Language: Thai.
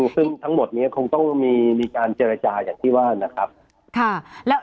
ซึ่งทั้งหมดนี้คงต้องมีการเจรจาอย่างที่ว่านะครับ